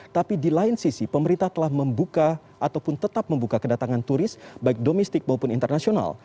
tapi di lain sisi pemerintah telah membuka ataupun tetap membuka kedatangan turis baik domestik maupun internasional